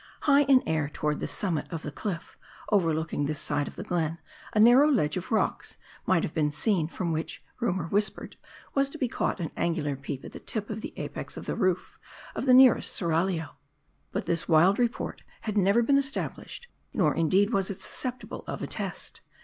High in air, toward the summit of the cliff, overlooking this side of the glen, a narrow ledge of rocks might have been seen, v from which, rumor whispered, was to be caught an angular peep at the tip of the apex of the roof of the nearest seraglio. But this wild report had never been established. Nor, indeed, was it susceptible of a test.